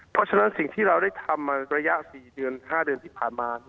เพราะฉะนั้นสิ่งที่เราได้ทำมาระยะ๔เดือน๕เดือนที่ผ่านมา